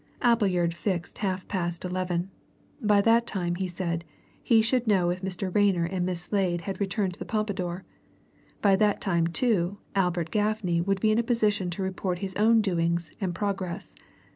Appleyard fixed half past eleven. By that time, he said, he should know if Mr. Rayner and Miss Slade had returned to the Pompadour; by that time, too, Albert Gaffney would be in a position to report his own doings and progress.